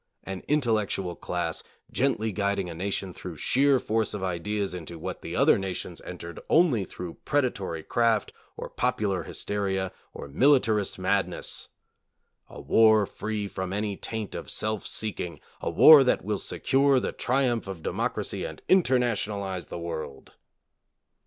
An intellectual class, gently guiding a nation through sheer force of ideas into what the other nations entered only through pre datory craft or popular hysteria or militarist mad ness ! A war free from any taint of self seeking, a war that will secure the triumph of democracy and internationalize the world!